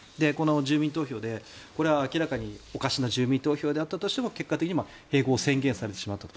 住民投票でこれは明らかにおかしな住民投票であったとしても結果的に併合を宣言されてしまったと。